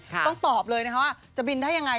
ต้องตอบเลยนะคะว่าจะบินได้ยังไง